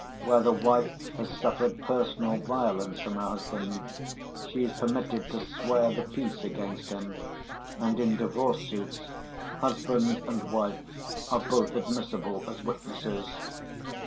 Where the wife has suffered personal violence from her husband she is permitted to swear the peace against him, and in divorce suits husband and wife are both admissible as witnesses.